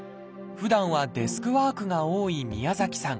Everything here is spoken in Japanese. ふだんはデスクワークが多い宮崎さん。